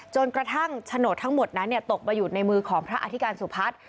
จนกระทั่งโฉนดทั้งหมดนั้นตกมาอยู่ในมือของพระอธิการสุพัฒน์